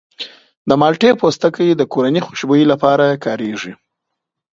د مالټې پوستکی د کورني خوشبویي لپاره کارېږي.